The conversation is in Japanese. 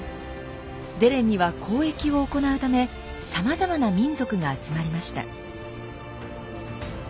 デレンには交易を行うためさまざまな民族が集まりました。